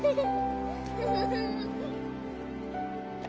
フフフフフ。